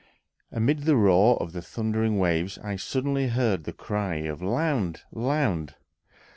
Amid the roar of the thundering waves I suddenly heard the cry of "Land, land!"